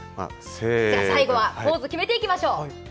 最後はポーズを決めていきましょう！